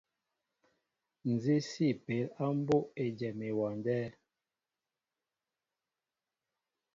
Nzi si peel á mbóʼ éjem ewándέ ?